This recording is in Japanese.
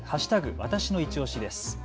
わたしのいちオシです。